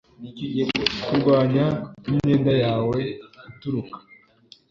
Kurwanya imyenda yawe itukura